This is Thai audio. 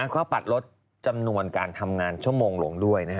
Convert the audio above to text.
ก็ปัดลดจำนวนการทำงานชั่วโมงลงด้วย